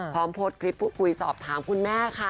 พร้อมโพสต์คลิปพูดคุยสอบถามคุณแม่ค่ะ